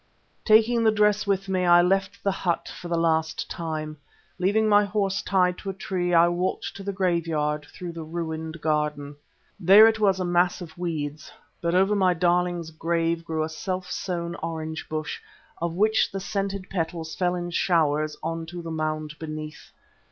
Taking the dress with me, I left the hut for the last time. Leaving my horse tied to a tree, I walked to the graveyard, through the ruined garden. There it was a mass of weeds, but over my darling's grave grew a self sown orange bush, of which the scented petals fell in showers on to the mound beneath.